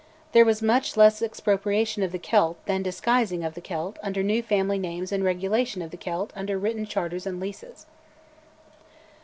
There was much less expropriation of the Celt than disguising of the Celt under new family names and regulation of the Celt under written charters and leases.